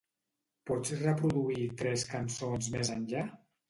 Pots reproduir tres cançons més enllà?